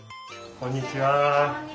こんにちは。